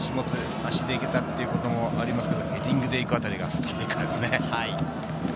足で行けたっていうところもありますけど、ヘディングでいくあたりがストライカーですね。